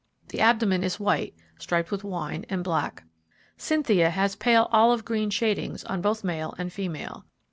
The abdomen is white striped with wine and black. Cynthia has pale olive green shadings on both male and female.